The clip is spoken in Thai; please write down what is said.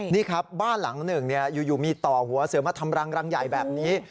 นี่ครับบ้านหลังหนึ่งอยู่มีต่อหัวเสือมาทำรังรังใหญ่แบบนี้